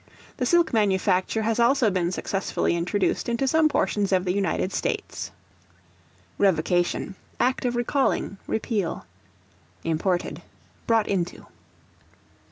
The silk manufacture has also been successfully introduced into some portions of the United States. Revocation, act of recalling, repeal. Imported, brought into.